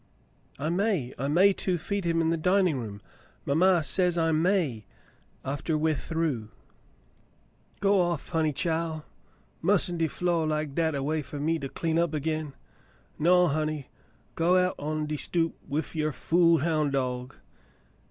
"I may ! I may, too, feed him in the dining room. Mamma says I may, after we're through." "Go off, honey chile, mussin' de flo' like dat a way fer me to clean up agin. Naw, honey. Go out on de stoop wif yer fool houn' dog."